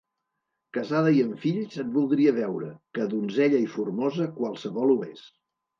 Casada i amb fills et voldria veure, que donzella i formosa qualsevol ho és.